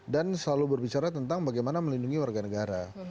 dan selalu berbicara tentang bagaimana melindungi warga negara